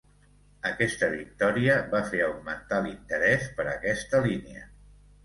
Aquesta victòria va fer augmentar l'interès per aquesta línia.